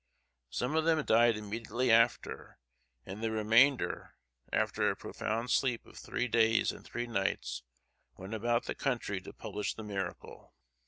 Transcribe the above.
Some of them died immediately after, and the remainder, after a profound sleep of three days and three nights, went about the country to publish the miracle.